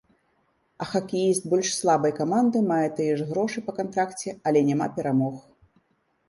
А хакеіст больш слабай каманды мае тыя ж грошы па кантракце, але няма перамог.